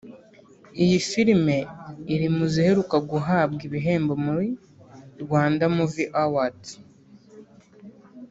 Iyi filime iri mu ziheruka guhabwa ibihembo muri Rwanda Movie Awards